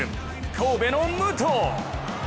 神戸の武藤！